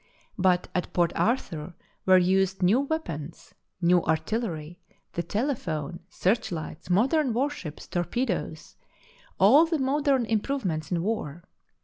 But at Port Arthur were used new weapons, new artillery, the tele phone, search lights, modern warships, torpedoes — all the modern improvements in war.